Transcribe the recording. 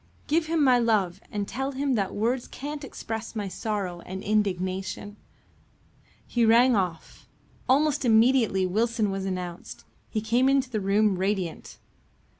Give him my love and tell him that words can't express my sorrow and indignation." He rang off. Almost immediately Wilson was announced. He came into the room radiant.